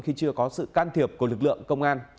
khi chưa có sự can thiệp của lực lượng công an